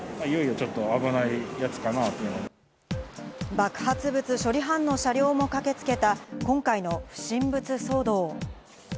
爆発物処理班の車両も駆けつけた今回の不審物騒動。